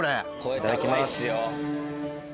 いただきます。